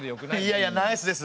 いやいやナイスです。